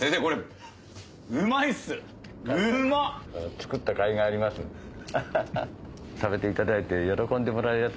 作ったかいがありますアハハ。